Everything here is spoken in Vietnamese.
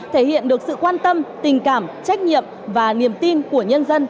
thể hiện được sự quan tâm tình cảm trách nhiệm và niềm tin của nhân dân